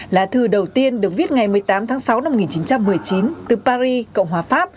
là thư đầu tiên được viết ngày một mươi tám tháng sáu năm một nghìn chín trăm một mươi chín từ paris cộng hòa pháp